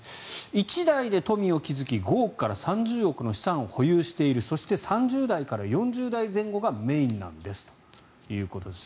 一代で富を築き５億から３０億の資産を保有しているそして、３０代から４０代前後がメインなんですということです。